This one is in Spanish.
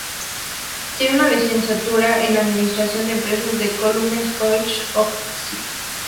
Tiene una licenciatura en administración de empresas de Calumet College of St.